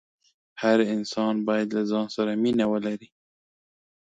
هر انسان باید له ځان سره مینه ولري.